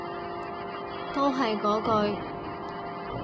都係嗰句